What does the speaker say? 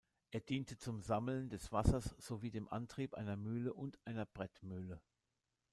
Er diente zum Sammeln des Wassers sowie dem Antrieb einer Mühle und einer Brettmühle.